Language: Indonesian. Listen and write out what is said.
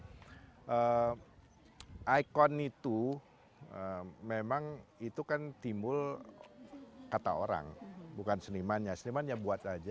pembicara lima puluh empat itu itu kan memang ikon itu memang itu kan timbul kata orang bukan senimanya senimanya buat aja